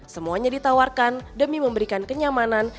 semuanya ditawarkan demi memberikan kenyamanan